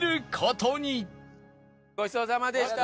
ごちそうさまでした。